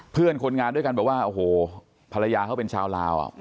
เพื่อนคนงานด้วยกันบอกว่าโอ้โหภรรยาเขาเป็นชาวลาว